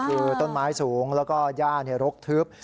คือต้นไม้สูงแล้วก็ย่ารกทึบ